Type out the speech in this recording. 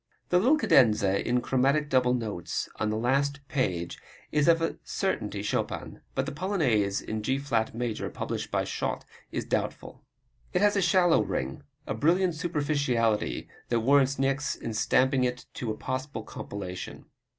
The little cadenza in chromatic double notes on the last page is of a certainty Chopin. But the Polonaise in G flat major, published by Schott, is doubtful. It has a shallow ring, a brilliant superficiality that warrants Niecks in stamping it as a possible compilation.